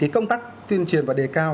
thì công tác tuyên truyền và đề cao